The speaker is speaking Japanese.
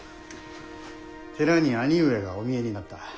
寺に兄上がお見えになった。